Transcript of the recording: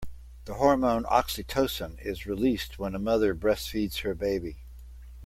The hormone oxytocin is released when a mother breastfeeds her baby.